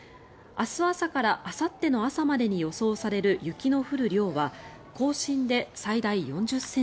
明日朝からあさっての朝までに予想される雪の降る量は甲信で最大４０ｃｍ